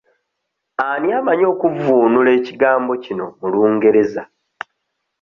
Ani amanyi okuvvuunula ekigambo kino mu Lungereza?